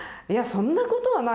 そんなことはない